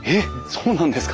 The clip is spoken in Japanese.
そうなんですか。